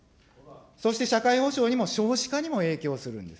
そして社会保障にも少子化にも影響するんです。